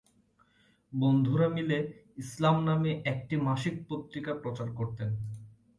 বন্ধুরা মিলে "ইসলাম" নামে একটি মাসিক পত্রিকা প্রচার করতেন।